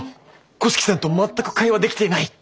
五色さんと全く会話できていない！